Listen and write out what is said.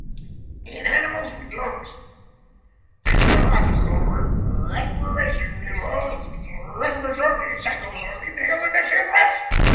In animals with lungs, physiological respiration involves respiratory cycles of inhaled and exhaled breaths.